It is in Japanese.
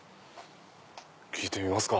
聞いてみますか。